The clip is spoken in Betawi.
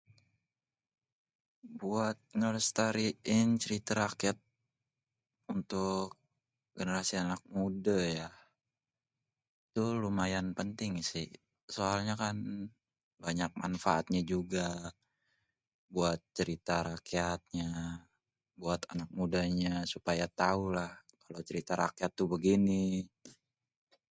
Buat ngelestariin cerite rakyat, untuk generasi anak mude ya, ngeronde ya dulu lumayan penting si soalnye kan banyak manfaatnye juga buat cerita rakyatnya, buat anak mudanya supaya tau lah cerita rakyat tuh begini.